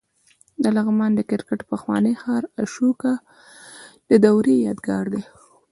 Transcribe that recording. د لغمان د کرکټ پخوانی ښار د اشوکا د دورې یادګار دی